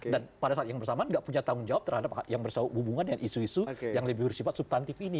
dan pada saat yang bersamaan gak punya tanggung jawab terhadap yang bersahabat hubungan dengan isu isu yang lebih bersifat subtantif ini